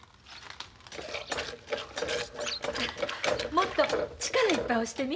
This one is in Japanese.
もっと力いっぱい押してみ。